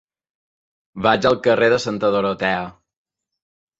Vaig al carrer de Santa Dorotea.